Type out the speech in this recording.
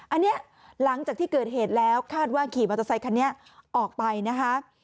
อันนี้หลังจากที่เกิดเหตุแล้วคาดว่าขี่มอเตอร์ไซคันนี้ออกไปนะคะ